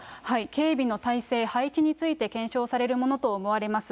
警備の態勢、配置について検証されるものと思われます。